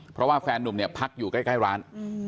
เพราะว่าแฟนนุ่มเนี่ยพักอยู่ใกล้ร้าน